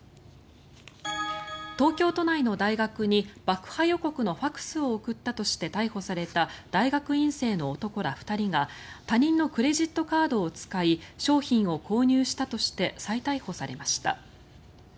東京都内の大学に爆破予告のファクスを送ったとして逮捕された大学院生の男ら２人が他人のクレジットカードを使い商品を購入したとして再逮捕されました。